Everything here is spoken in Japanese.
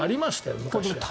昔は。